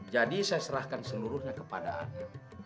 jadi saya serahkan seluruhnya kepada ana